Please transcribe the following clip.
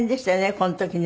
この時ね